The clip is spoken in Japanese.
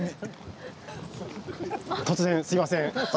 突然すいません。